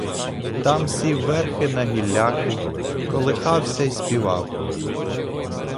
Там сів верхи на гілляку, колихався й співав.